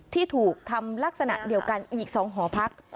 ที่ถูกทำลักษณะเดียวกันอีก๒หอพัก